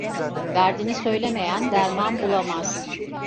Derdini söylemeyen derman bulamaz.